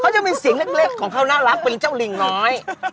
เขาจะมีเสียงเล็กของเขาน่ารักเป็นเจ้าลิงน้อย